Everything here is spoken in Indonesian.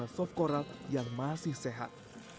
menyajikan beragam warna soft coral yang masih sehat